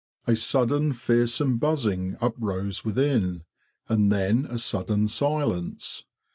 A sudden fearsome buzzing uprose within, and then a sudden silence.